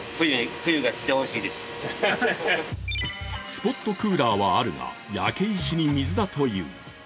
スポットクーラーはあるが焼け石に水だという。